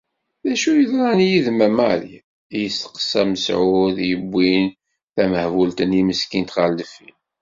"D acu yeḍran yid-m a Mary?", i yesteqsa Mesεud yewwin tamehbult-nni meskint ɣer deffir.